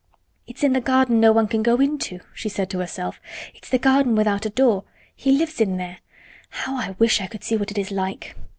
"It's in the garden no one can go into," she said to herself. "It's the garden without a door. He lives in there. How I wish I could see what it is like!"